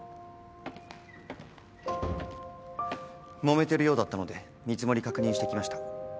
もめてるようだったので見積もり確認してきました。